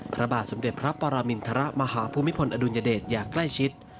พระบาทสมเด็จพระปรมินทรมาหาภูมิพลอดุลยเดชอย่างใกล้ชิด